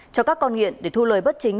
cho các con nghiện để thu lời bất chính